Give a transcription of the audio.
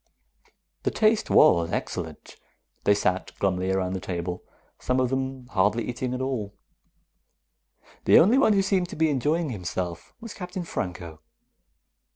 The taste was excellent. They sat glumly around the table, some of them hardly eating at all. The only one who seemed to be enjoying himself was Captain Franco.